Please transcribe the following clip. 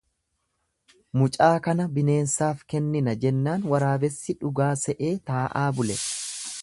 Mucaa kana bineensaaf kennina jennaan waraabessi dhugaa se'ee taa'aa bule.